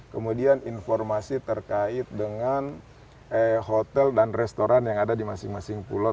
kemudian informasi terkait dengan hotel dan restoran yang ada di masing masing pulau